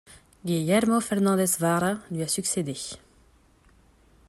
Guillermo Fernández Vara lui a succédé.